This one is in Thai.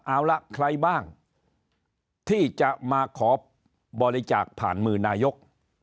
เอาละใครบ้างที่จะมาขอบริจาคผ่านมือนายก